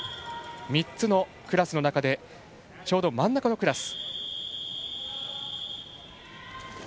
３つのクラスの中でちょうど真ん中のクラス。